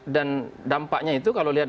dan dampaknya itu kalau lihat